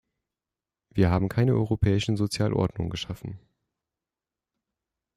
Wir haben keine europäische Sozialordnung geschaffen.